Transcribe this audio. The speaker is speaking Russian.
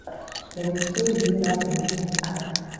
Я несу ей работу.